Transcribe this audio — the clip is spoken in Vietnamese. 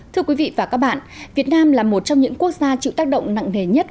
thưa quý vị và các bạn việt nam là một trong những quốc gia chịu tác động nặng nề nhất